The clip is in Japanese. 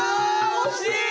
惜しい！